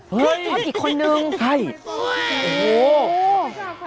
เฮ้ยใช่โอ้โฮ